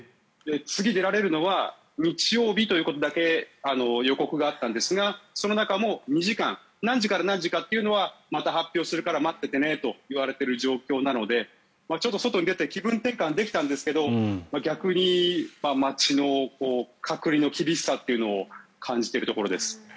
次、出られるのは日曜日ということだけ予告があったんですがその中も２時間何時から何時というのはまた発表するから待っててねと言われている状況なのでちょっと外に出て気分転換できたんですが逆に街の隔離の厳しさというのを感じているところです。